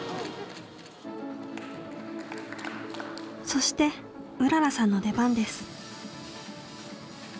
そしてうららさんの出番です。